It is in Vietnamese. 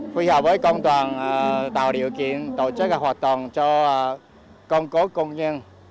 phù hợp với công toàn tạo điều kiện tổ chức hoạt động cho công cố công nhân